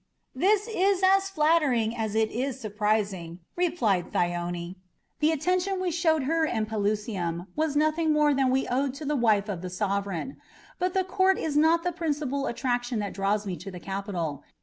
"This is as flattering as it is surprising," replied Thyone. "The attention we showed her in Pelusium was nothing more than we owed to the wife of the sovereign. But the court is not the principal attraction that draws me to the capital.